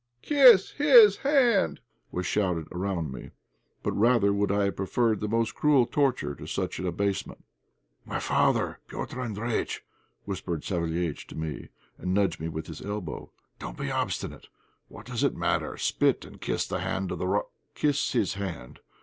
kiss his hand!" was shouted around me. But rather would I have preferred the most cruel torture to such an abasement. "My father, Petr' Andréjïtch," whispered Savéliitch to me, and nudged me with his elbow, "don't be obstinate. What does it matter? Spit and kiss the hand of the rob , kiss his hand!"